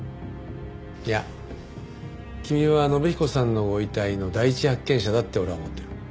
いや君は信彦さんのご遺体の第一発見者だって俺は思ってる。